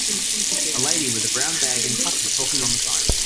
A lady with a brown bag and coffee talking on the phone.